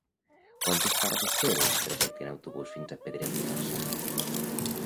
Quantes parades té el trajecte en autobús fins a Pedret i Marzà?